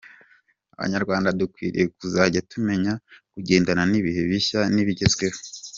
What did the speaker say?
Abanyarwanda dukwiriye kuzajya tumenya kugendana n’ibihe bishya n’ibigezweho.